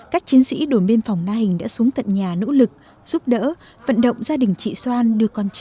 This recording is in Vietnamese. các chiến sĩ đồn biên phòng na hình đã xuống tận nhà nỗ lực giúp đỡ vận động gia đình chị xoan đưa con cháu